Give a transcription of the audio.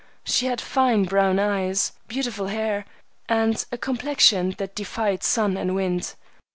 She had fine, brown eyes, beautiful hair, and a complexion that defied sun and wind.